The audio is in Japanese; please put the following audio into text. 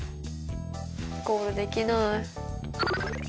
ゴールできない。